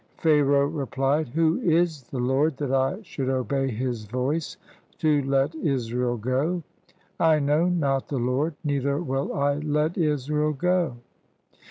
Pharaoh replied, "Who is the Lord, that I should obey his voice to let Israel go? I know not the Lord, neither will I let Israel go."